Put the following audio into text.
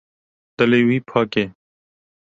Dilê wî pak e.